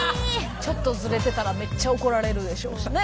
ちょっとズレてたらめっちゃ怒られるでしょうしね。